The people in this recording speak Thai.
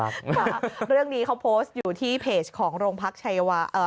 เหรอเพราะเรื่องนี้เขาโพสต์อยู่ที่เพจของโรงพักส์ชายว่า